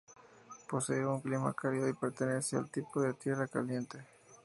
Posee un clima cálido, y pertenece al tipo de tierra caliente.